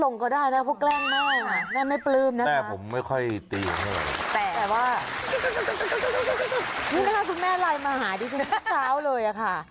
นี่ถ้าคุณแม่ไลน์มาหาดิฉันซักคราวเลยอะค่ะ